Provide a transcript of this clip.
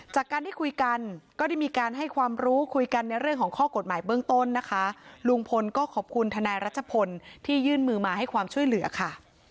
จากการที่คุยกันก็ได้มีการให้ความรู้คุยกันในเรื่องของข้อกฎหมายเบื้องต้นนะคะลุงพลก็ขอบคุณทนายรัชพลที่ยื่นมือมาให้ความช่วยเหลือค่ะ